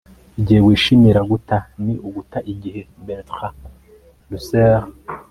igihe wishimira guta ni uguta igihe. - bertrand russell